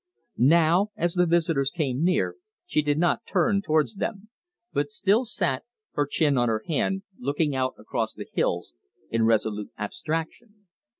Now, as the visitors came near, she did not turn towards them, but still sat, her chin on her hand, looking out across the hills, in resolute abstraction.